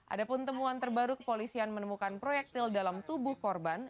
ada pun temuan terbaru kepolisian menemukan proyektil dalam tubuh korban